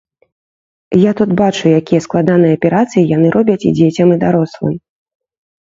Я тут бачу, якія складаныя аперацыі яны робяць і дзецям, і дарослым.